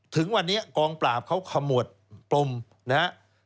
ถึงวันนี้กองปราบเขาขมวดปลมนะครับ